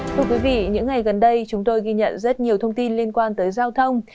thưa quý vị những ngày gần đây chúng tôi ghi nhận rất nhiều thông tin liên quan tới giao thông